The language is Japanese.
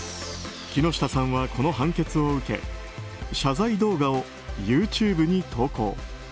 木下さんは、この判決を受け謝罪動画をＹｏｕＴｕｂｅに投稿。